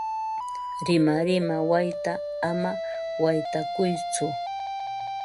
Rimarima wayta ama waytakuytsu.